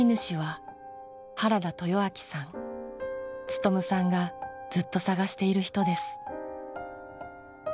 勉さんがずっと捜している人です。